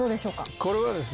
これはですね